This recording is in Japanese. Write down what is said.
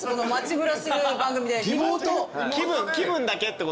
気分だけってこと。